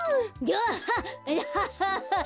アハハハ！